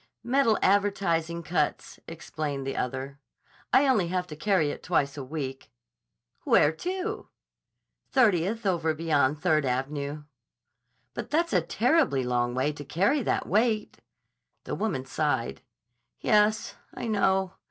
"Metal advertising cuts," explained the other. "I only have to carry it twice a week." "Where to?" "Thirtieth over beyond Third Av'nyeh." "But that's a terribly long way to carry that weight." The woman sighed. "Yes, I know.